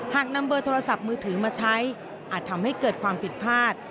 หากนำเบอร์โทรศัพท์มือถือมาใช้อาจทำให้เกิดความผิดพลาด